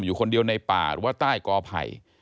อยู่คนเดียวในป่าหรือว่าใต้กอไผ่